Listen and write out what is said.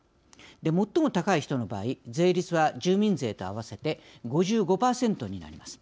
最も高い人の場合税率は住民税と合わせて５５％になります。